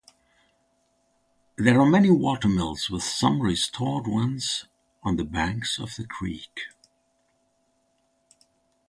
There are many watermills with some restored ones on the banks of the creek.